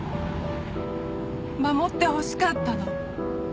守ってほしかったの。